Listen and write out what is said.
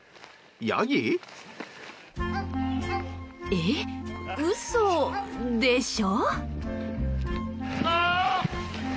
えっ、嘘でしょ？